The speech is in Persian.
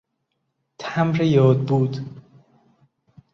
تمبر یادبود